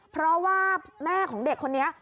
เพราะว่าแม่ของเด็กคนนี้